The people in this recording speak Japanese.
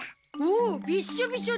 おおびっしょびしょだ。